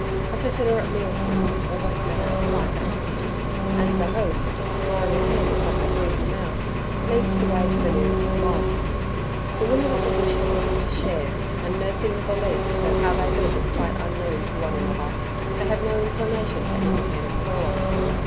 A visitor at mealtimes is always met outside the humpy, and the host, drawing a hand across a greasy mouth, leads the way to the nearest log. The women of the bush have little to share, and, nursing the belief that how they live is quite unknown to one another, they have no inclination to entertain a caller.